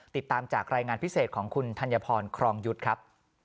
ติดตามจากรายงานพิเศษของคุณธัญพรครองยุทธ์ครับ